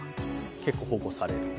結構保護される。